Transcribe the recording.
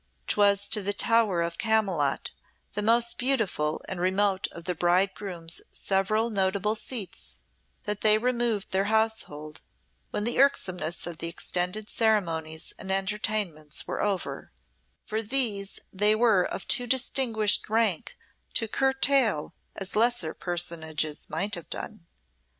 'Twas to the Tower of Camylott, the most beautiful and remote of the bridegroom's several notable seats, that they removed their household, when the irksomeness of the extended ceremonies and entertainments were over for these they were of too distinguished rank to curtail as lesser personages might have done.